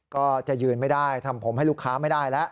ก็จะยืนไม่ได้ทำผมให้ลูกค้าไม่ได้แล้ว